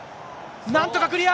なんとかクリア。